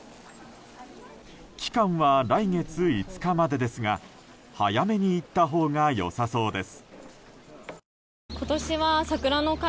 期間は来月５日までですが早めに行ったほうがよさそうです。